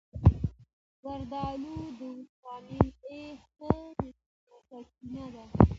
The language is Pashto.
زردآلو د ویټامین A ښه سرچینه ده.